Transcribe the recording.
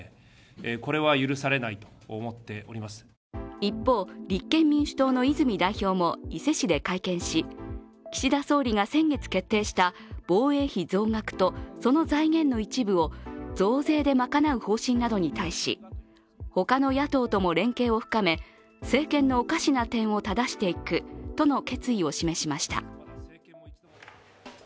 一方、立憲民主党の泉代表も伊勢市で会見し岸田総理が先月決定した防衛費増額と、その財源の一部を増税で賄う方針などに対しほかの野党とも連携を深め政権のおかしな点をただしていくとの決意を示しました。